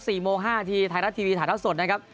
ก็๔โมง๕ทีไทรลัททีวีถ่ายท่าสดนะครับ